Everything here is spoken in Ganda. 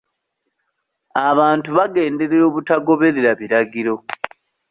Abantu bagenderera obutagoberera biragiro.